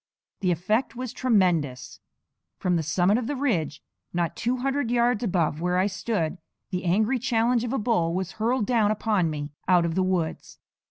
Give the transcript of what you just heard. The effect was tremendous. From the summit of the ridge, not two hundred yards above where I stood, the angry challenge of a bull was hurled down upon me out of the woods.